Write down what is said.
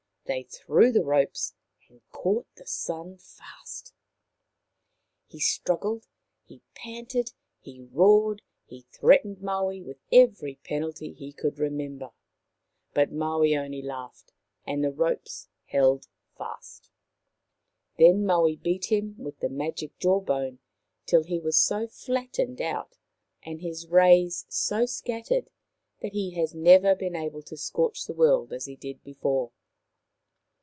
They threw the ropes and caught the Sun fast. He struggled, he panted, he roared, he threat ened Maui with every penalty he could remember ; More about Maui 9 1 but Maui only laughed, and the ropes held fast. Then Maui beat him with the magic jaw bone till he was so flattened out, and his rays so scattered, that he has never since been able to scorch the world as he did before.